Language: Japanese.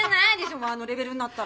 もうあのレベルになったら。